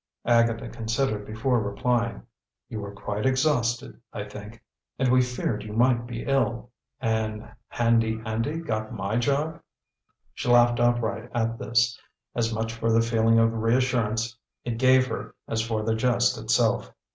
Agatha considered before replying. "You were quite exhausted, I think; and we feared you might be ill." "And Handy Andy got my job?" She laughed outright at this, as much for the feeling of reassurance it gave her as for the jest itself.